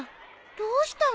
どうしたの？